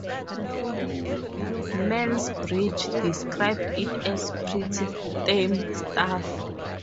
Mansbridge described it as pretty tame stuff.